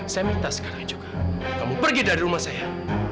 saya minta sekarang juga kamu pergi dari rumah saya